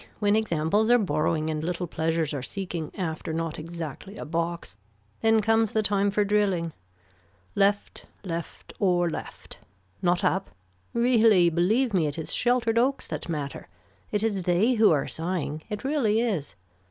When examples are borrowing and little pleasures are seeking after not exactly a box then comes the time for drilling. Left left or left. Not up. Really believe me it is sheltered oaks that matter. It is they who are sighing. It really is.